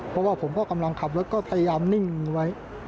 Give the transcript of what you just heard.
เพราะว่าผมก็กำลังขับรถก็พยายามนิ่งไว้